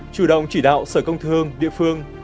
chủ động chỉ đạo sở công thương địa phương